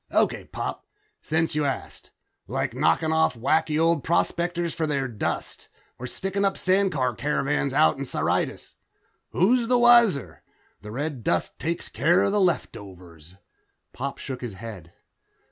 "Okay, Pop, since you ask. Like knocking off wacky old prospectors for their dust. Or sticking up sandcar caravans out in Syrtis. Who's the wiser? The red dust takes care of the leftovers." Pop shook his head.